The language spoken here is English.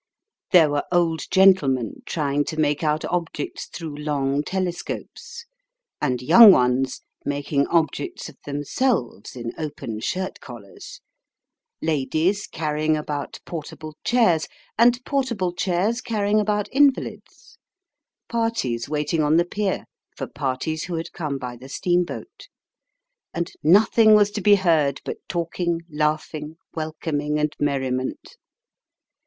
There were old gentlemen, trying to make out objects through long telescopes ; and young ones, making objects of them selves in open shirt collars ; ladies, carrying about portable chairs, and portable chairs carrying about invalids ; parties, waiting on the pier for parties who had come by the steam boat ; and nothing was to be heard but talking, laughing, welcoming, and merriment.